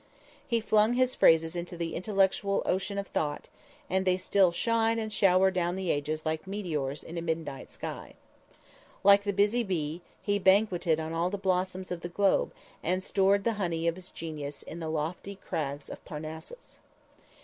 He flung his phrases into the intellectual ocean of thought, and they still shine and shower down the ages like meteors in a midnight sky. Like the busy bee, he banqueted on all the blossoms of the globe and stored the honey of his genius in the lofty crags of Parnassus.